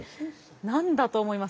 何だと思います？